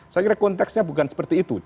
saya kira konteksnya bukan seperti itu